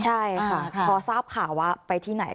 ใช่ค่ะพอทราบข่าวว่าไปที่ไหน